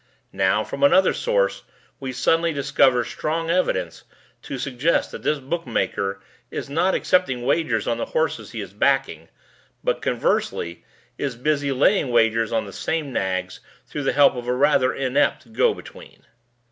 Now from another source we suddenly discover strong evidence to suggest that this bookmaker is not accepting wagers on the horses he is backing, but conversely is busy laying wagers on the same nags through the help of a rather inept go between."